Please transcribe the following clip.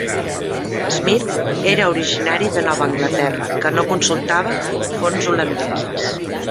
Smith era originari de Nova Anglaterra que no consultava fonts holandeses.